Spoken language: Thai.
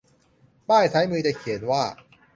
ป้ายซ้ายมือจะเขียนว่า